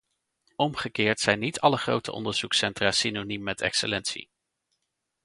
Omgekeerd zijn niet alle grote onderzoekscentra synoniem met excellentie.